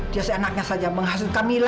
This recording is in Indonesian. dia seenaknya saja menghasut kamilah